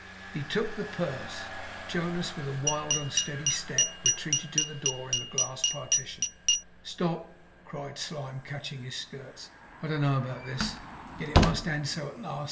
He took the purse. Jonas, with a wild unsteady step, retreated to the door in the glass partition. 'Stop!' cried Slyme, catching at his skirts. 'I don't know about this. Yet it must end so at last.